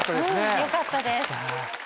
よかったです。